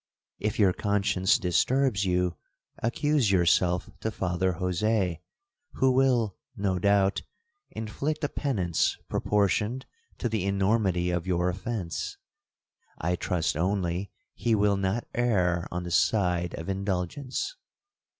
If your conscience disturbs you, accuse yourself to Father Jose, who will, no doubt, inflict a penance proportioned to the enormity of your offence. I trust only he will not err on the side of indulgence.'